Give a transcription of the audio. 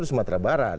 di sumatera barat